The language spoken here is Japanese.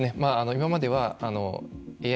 今まではＡＩ